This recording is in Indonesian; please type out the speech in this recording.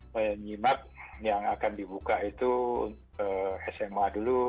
menyimak yang akan dibuka itu sma dulu